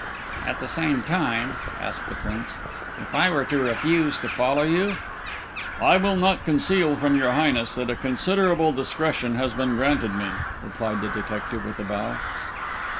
"At the same time," asked the Prince, "if I were to refuse to follow you?" "I will not conceal from your Highness that a considerable discretion has been granted me," replied the detective with a bow.